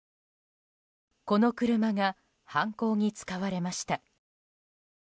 この車が犯行に使われました。